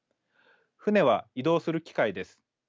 船は移動する機械です。